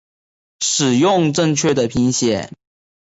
使用正确的拼写